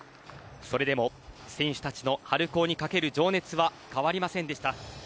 それでも選手たちの春高に懸ける情熱は変わりませんでした。